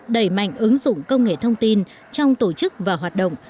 đẩy mạnh ứng dụng công nghệ thông tin trong tổ chức và hoạt động